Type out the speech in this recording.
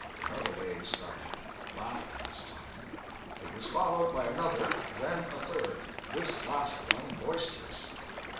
Another wave started laughter, this time. It was followed by another, then a third this last one boisterous.